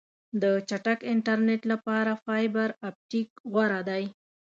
د چټک انټرنیټ لپاره فایبر آپټیک غوره دی.